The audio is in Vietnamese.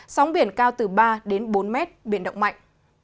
sóng biển cao từ ba đến bốn mét biển động mạnh